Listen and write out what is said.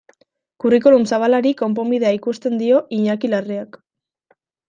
Curriculum zabalari konponbidea ikusten dio Iñaki Larreak.